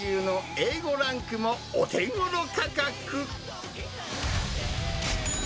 Ａ５ランクもお手ごろ価格。